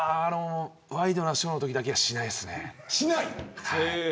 ワイドナショーのときだけはしないですね。